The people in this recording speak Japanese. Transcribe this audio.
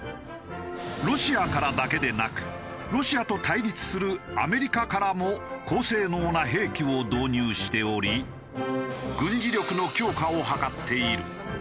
ロシアからだけでなくロシアと対立するアメリカからも高性能な兵器を導入しており軍事力の強化を図っている。